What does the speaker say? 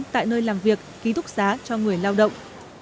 tại nơi làm việc ký túc xá cho người lao động